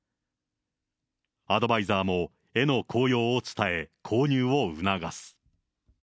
アドバイザーも絵の効用を伝え、購入を促す。